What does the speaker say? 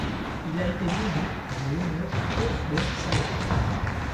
Il a été nommé en l'honneur d'Osbert Salvin.